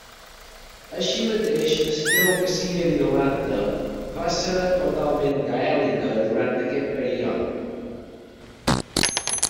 Així mateix, es creu que l'illa d'Irlanda va ser totalment gaèlica durant aquest període.